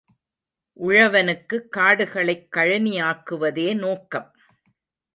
உழவனுக்குக் காடுகளைக் கழனியாக்குவதே நோக்கம்.